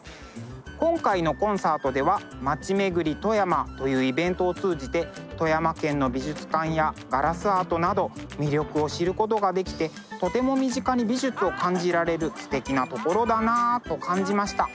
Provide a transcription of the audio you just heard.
今回のコンサートでは「まちめぐりとやま」というイベントを通じて富山県の美術館やガラスアートなど魅力を知ることができてとても身近に美術を感じられるすてきな所だなと感じました。